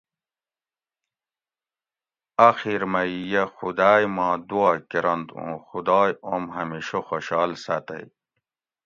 آخیر مئ یہ خُداٞئ ما دُعا کرنت اُوں خُدائ اوم ہمیشہ خوشال ساٞتئ